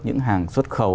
những hàng xuất khẩu